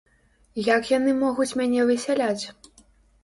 Як яны могуць мяне высяляць?